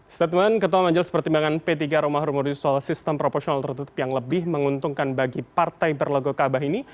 statement ketua majelis pertimbangan p tiga romah rumudi soal sistem proporsional tertutup yang lebih menguntungkan bagi partai berlogo kaabah ini